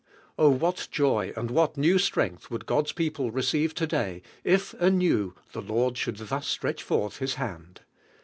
O what joy and what new strength would God's people receive today if anew the Lord should thus si retch forth His hand!